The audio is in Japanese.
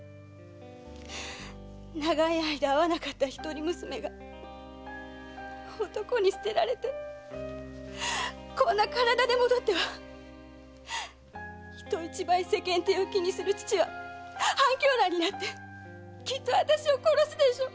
長い間会わなかった一人娘が男に棄てられてこんな身体で戻っては人一倍世間体を気にする父は半狂乱になってきっと私を殺すでしょう。